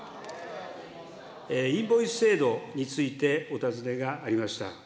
インボイス制度について、お尋ねがありました。